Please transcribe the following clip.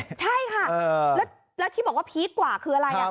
ใช่ค่ะแล้วที่บอกว่าพีคกว่าคืออะไร